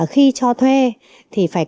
khi cho thuê thì phải